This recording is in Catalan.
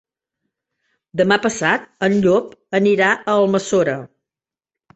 Demà passat en Llop anirà a Almassora.